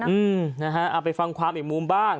เอาไปฟังความอีกมูลบ้าง